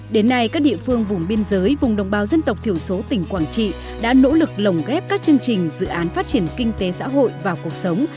đến nay các địa phương vùng biên giới vùng đồng bào dân tộc thiểu số tỉnh quảng trị đã nỗ lực lồng ghép các chương trình dự án phát triển kinh tế xã hội vào cuộc sống